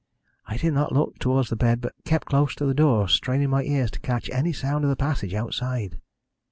I did not look towards the bed, but kept close to the door, straining my ears to catch any sound in the passage outside.